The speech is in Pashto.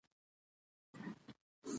نورستان د افغانستان د بڼوالۍ برخه ده.